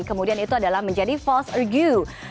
kemudian itu adalah menjadi false argue